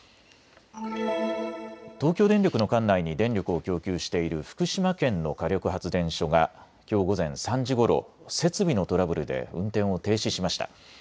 東京電力の管内に電力を供給している福島県の火力発電所がきょう午前３時ごろ設備のトラブルで運転を停止しました。